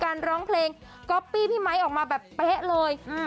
การร้องเพลงคลิปน้องให้ก่อนออกมาแบบเป๊ะเลยอืม